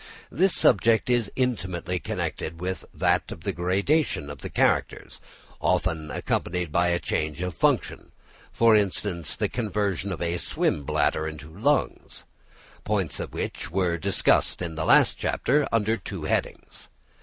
This subject is intimately connected with that of the gradation of the characters, often accompanied by a change of function, for instance, the conversion of a swim bladder into lungs, points which were discussed in the last chapter under two headings.